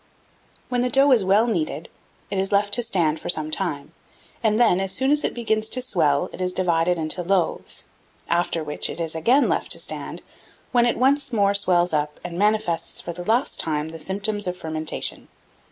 1677. When the dough is well kneaded, it is left to stand for some time, and then, as soon as it begins to swell, it is divided into loaves; after which it is again left to stand, when it once more swells up, and manifests, for the last time, the symptoms of fermentation.